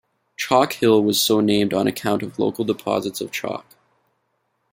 Chalk Hill was so named on account of local deposits of chalk.